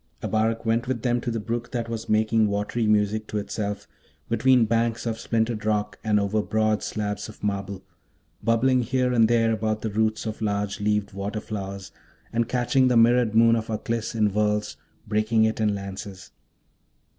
Abarak went with them to the brook that was making watery music to itself between banks of splintered rock and over broad slabs of marble, bubbling here and there about the roots of large leaved water flowers, and catching the mirrored moon of Aklis in whirls, breaking it in lances.